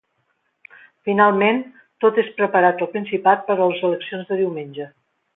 Finalment, tot és preparat al Principat per a les eleccions de diumenge.